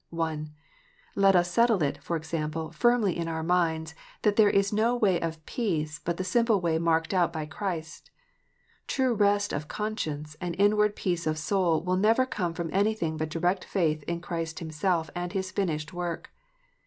(1) Let us settle it, for example, firmly in our minds, that there is no way of peace but the simple way marked out by Christ. True rest of conscience and inward peace of soul will never come from anything but direct faith in Christ Himself and His finished work.